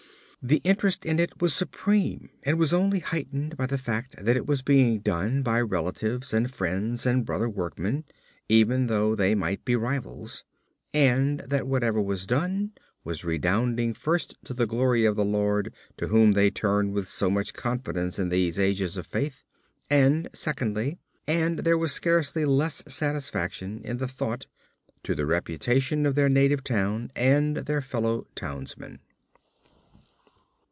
The interest in it was supreme and was only heightened by the fact that it was being done by relatives and friends and brother workmen, even though they might be rivals, and that whatever was done was redounding first to the glory of the Lord to whom they turned with so much confidence in these ages of faith, and secondly, and there was scarcely less satisfaction in the thought, to the reputation of their native town and their fellow townsmen.